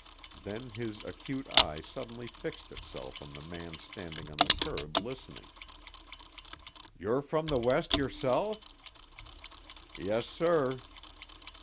Then his acute eye suddenly fixed itself on the man standing on the curb listening. "You're from the West yourself?" "Yes, sir."